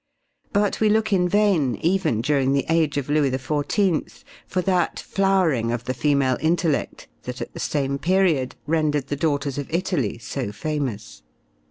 But we look in vain, even during the age of Louis XIV, for that flowering of the female intellect that, at the same period, rendered the daughters of Italy so famous.